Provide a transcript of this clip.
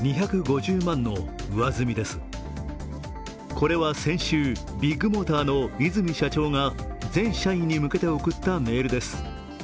これは先週、ビッグモーターの和泉社長が全社員に向けて送ったメールです。